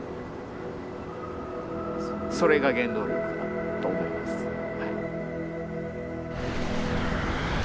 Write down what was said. それが原動力だと思いますはい。